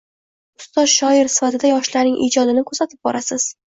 Ustoz shoir sifatida yoshlarning ijodini kuzatib borasiz